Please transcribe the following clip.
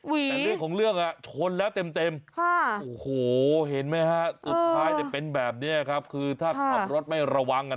อุ๋ยเห็นไหมครับสุดท้ายเป็นแบบนี้ครับคือท่าขับรถไม่ระวัง